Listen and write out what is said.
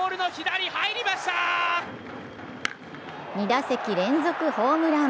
２打席連続ホームラン。